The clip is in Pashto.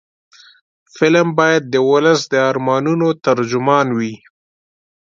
فلم باید د ولس د ارمانونو ترجمان وي